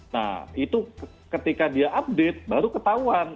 nah itu ketika dia update baru ketahuan